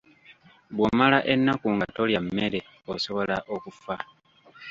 Bw'omala ennaku nga tolya mmere osobola okufa.